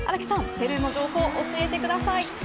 ペルーの情報を教えてください。